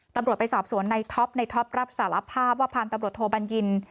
ตำรวจไปสอบสวนในท็อปในท็อปรับสารภาพว่าพันธุ์ตำรวจโทบัญญิน